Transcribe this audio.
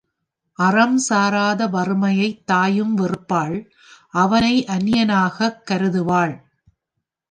அறம் சாராத வறுமையைத் தாயும் வெறுப்பாள் அவனை அந்நியனாகக் கருதுவாள்.